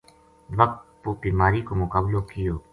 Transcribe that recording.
وقت پو بیماری کو مقابلو کیو